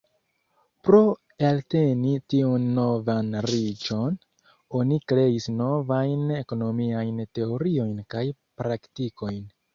Pro elteni tiun novan riĉon, oni kreis novajn ekonomiajn teoriojn kaj praktikojn.